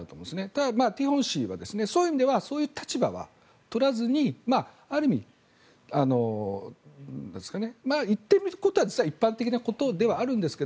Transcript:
ただ、ティホン氏はそういう意味ではそういう立場は取らずにある意味、言っていることは実は一般的なことではあるんですが